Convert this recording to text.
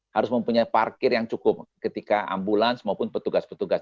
harus mempunyai parkir yang cukup ketika ambulans maupun petugas petugas